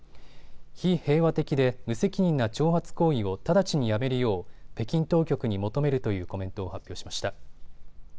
非平和的で無責任な挑発行為を直ちにやめるよう北京当局に求めるというコメントを発表しました。